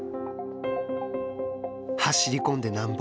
走り込んでなんぼ。